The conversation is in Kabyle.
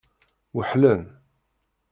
Weḥlen.